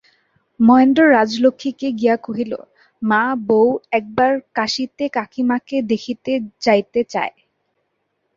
মহেন্দ্র রাজলক্ষ্মীকে গিয়া কহিল, মা, বউ একবার কাশীতে কাকীমাকে দেখিতে যাইতে চায়।